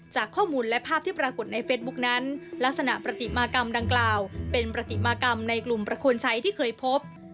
จากข้อมูลและภาพที่ปรากฏในเฟซบุ๊กนั้นลักษณะปฏิมากรรมดังกล่าวเป็นปฏิมากรรมในกลุ่มประควรใช้ที่เคยพบ